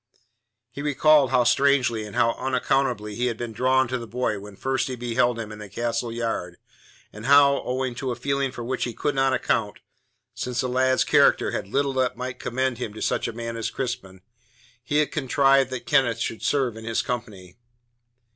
He recalled how strangely and unaccountably he had been drawn to the boy when first he beheld him in the castle yard, and how, owing to a feeling for which he could not account, since the lad's character had little that might commend him to such a man as Crispin, he had contrived that Kenneth should serve in his company.